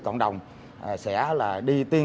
trên địa bàn